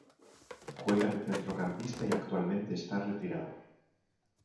Juega de centrocampista y actualmente está retirado.